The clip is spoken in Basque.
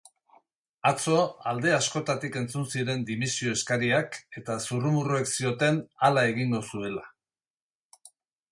Atzo alde askotatik entzun ziren dimisio eskariak eta zurrumurruek zioten hala egingo zuela.